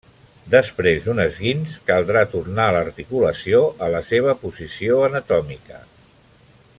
Després d'un esquinç caldrà tornar l'articulació a la seva posició anatòmica.